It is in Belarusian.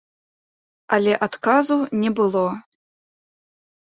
Але адказу не было.